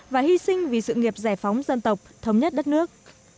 và hy sinh vì sự nghiệp giải phóng dân tộc thống nhất đất nước